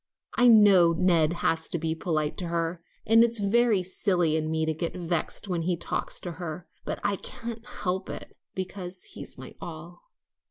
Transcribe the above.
I know Ned has to be polite to her; and it's very silly in me to get vexed when he talks to her; but I can't help it, because he's my all."